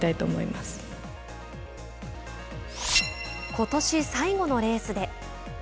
ことし最後のレースで。